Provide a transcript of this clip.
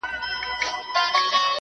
ته خوله لکه ملا ته چي زکار ورکوې~